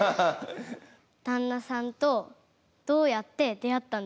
旦那さんとどうやって出会ったんですか？